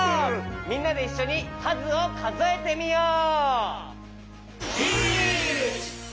みんなでいっしょにかずをかぞえてみよう！